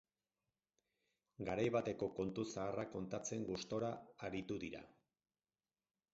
Garai bateko kontu zaharrak kontatzen gustora aritu dira.